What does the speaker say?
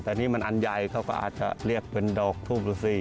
แต่นี่มันอันใหญ่เขาก็อาจจะเรียกเป็นดอกทูบดูสิ